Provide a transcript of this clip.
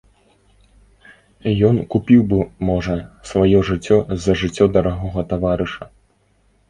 Ён купіў бы, можа, сваё жыццё за жыццё дарагога таварыша.